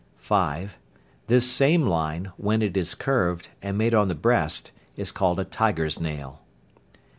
(5). This same line, when it is curved, and made on the breast, is called a "tiger's nail."